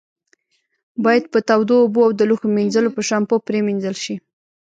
باید په تودو اوبو او د لوښو منځلو په شامپو پرېمنځل شي.